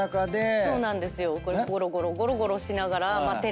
そうなんですよ。